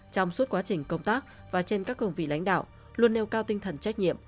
trong suốt quá trình công tác và trên các công vị lãnh đạo luôn nêu cao tinh thần trách nhiệm